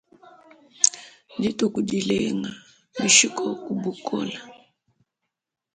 Dituku dilenga, bishi koku bukola ?